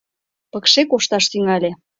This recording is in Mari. Пыкше кошташ тӱҥале.